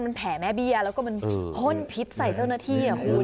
มันแผ่แม่เบี้ยแล้วก็มันห้นพิษใส่เจ้าหน้าที่